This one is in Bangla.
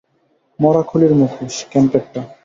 মরা খুলির মুখোশ, ক্যাম্পের টা।